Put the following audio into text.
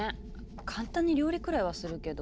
簡単に料理くらいはするけど。